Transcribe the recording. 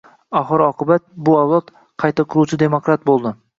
Oxir-oqibat, bu avlod... qayta quruvchi demokrat bo‘ldi.